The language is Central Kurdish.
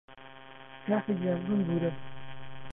کاکەگیان بمبوورە